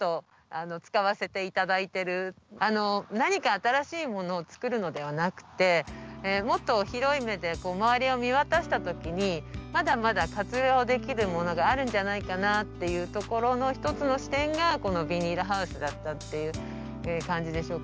何か新しいものを作るのではなくてもっと広い目で周りを見渡した時にまだまだ活用できるものがあるんじゃないかなっていうところの一つの視点がこのビニールハウスだったっていう感じでしょうかね。